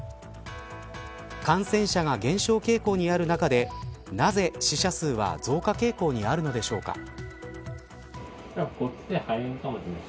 感染者が減少傾向にある中でなぜ死者数は増加傾向にあるのでしょうか。